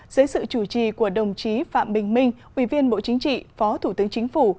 dưới sự chủ trì của đồng chí phạm bình minh ủy viên bộ chính trị phó thủ tướng chính phủ